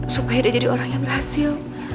supaya dia jadi orang yang berhasil